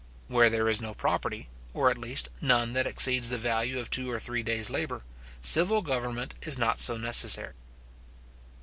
Where there is no property, or at least none that exceeds the value of two or three days labour, civil government is not so necessary.